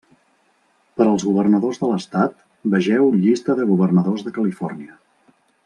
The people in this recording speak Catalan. Per als governadors de l'estat, vegeu llista de governadors de Califòrnia.